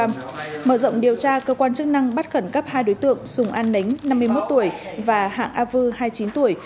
mở rộng điều tra cơ quan chức năng bắt khẩn cấp hai đối tượng sùng an nính năm mươi một tuổi và hạng a vư hai mươi chín tuổi